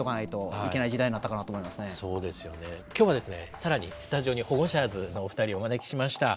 更にスタジオにホゴシャーズのお二人をお招きしました。